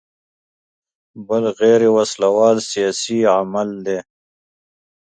بل غیر وسله وال سیاسي عمل دی.